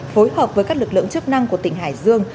phối hợp với các lực lượng chức năng của tỉnh hải dương